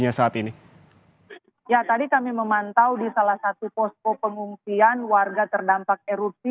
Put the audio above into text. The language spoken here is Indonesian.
ya saat ini ya tadi kami memantau di salah satu posko pengungsian warga terdampak erupsi